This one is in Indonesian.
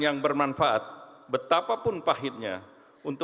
kami berharap bahwa kekuatan politik ini akan menjadi kekuatan yang matang